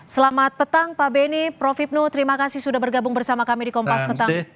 selamat petang pak benny prof ibnu terima kasih sudah bergabung bersama kami di kompas petang